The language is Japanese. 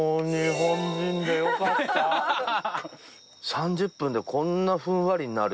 ３０分でこんなふんわりになる？